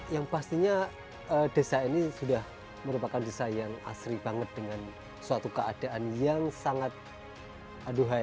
yang pastinya desa ini sudah merupakan desa yang asri banget dengan suatu keadaan yang sangat aduhai